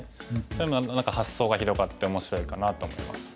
そういうのも何か発想が広がって面白いかなと思います。